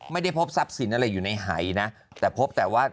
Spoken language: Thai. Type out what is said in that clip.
ไม่ได้พบทรัพย์สินอะไรอยู่ในหายนะแต่พบแต่ว่า